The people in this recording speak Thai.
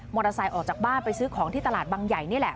มอเตอร์ไซค์ออกจากบ้านไปซื้อของที่ตลาดบางใหญ่นี่แหละ